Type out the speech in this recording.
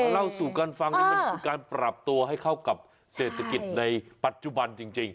เล่าสู่กันฟังนี่มันคือการปรับตัวให้เข้ากับเศรษฐกิจในปัจจุบันจริง